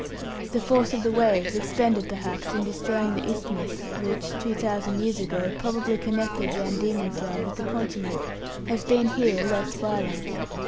The force of the waves, expended, perhaps, in destroying the isthmus which, two thousand years ago, probably connected Van Diemen's Land with the continent has been here less violent.